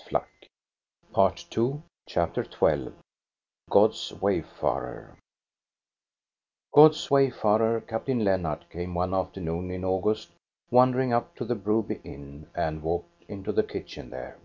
GOD'S WAYFARER 337 CHAPTER XII god's wayfarer God's wayfarer, Captain Lennart, came one after noon in August wandering up to the Broby inn and walked into the kitchen there.